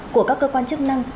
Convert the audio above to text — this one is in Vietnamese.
của các cơ quan chức năng